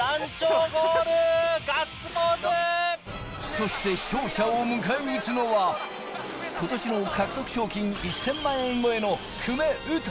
そして、勝者を迎え撃つのは、ことしの獲得賞金１０００万円超えの久米詩。